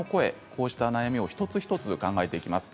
こうした悩みを一つ一つ考えていきます。